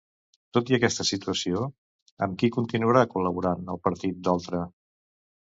Tot i aquesta situació, amb qui continuarà col·laborant el partit d'Oltra?